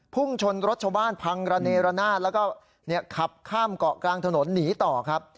พุ่งชนรถชาวบ้านพังระเนรนาศแล้วก็ขับข้ามเกาะกลางถนนหนีต่อครับ